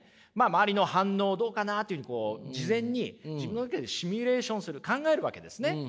周りの反応どうかなっていうふうに事前に自分の中でシミュレーションする考えるわけですね。